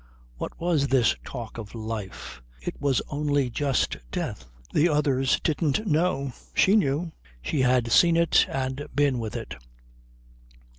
What was this talk of life? It was only just death. The others didn't know. She knew. She had seen it and been with it.